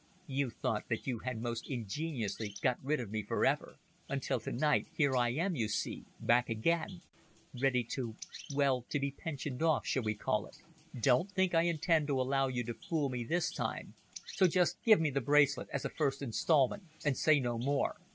"You thought that you had most ingeniously got rid of me for ever, until to night here I am, you see, back again, ready to well, to be pensioned off, shall we call it? Don't think I intend to allow you to fool me this time, so just give me the bracelet as a first instalment, and say no more."